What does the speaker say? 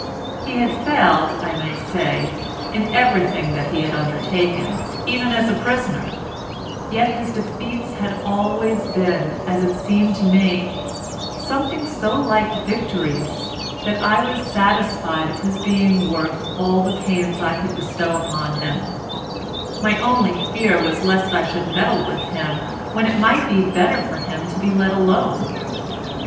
He had failed, I may say, in everything that he had undertaken, even as a prisoner; yet his defeats had been always, as it seemed to me, something so like victories, that I was satisfied of his being worth all the pains I could bestow upon him; my only fear was lest I should meddle with him when it might be better for him to be let alone.